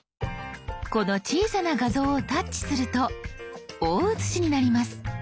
この小さな画像をタッチすると大写しになります。